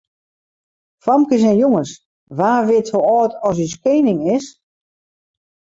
Famkes en jonges, wa wit hoe âld as ús kening is?